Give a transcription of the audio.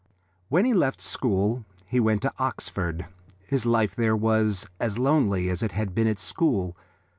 When he left school he went to Oxford. His life there was as lonely as it had been at school.